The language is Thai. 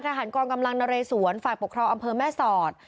ทหารกองกำลังนเรสวนฝ่ายปกครองอำเภอแม่สอด